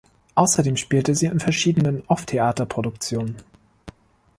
Außerdem spielte sie in verschiedenen Off-Theater-Produktionen.